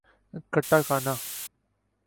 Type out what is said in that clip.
katakana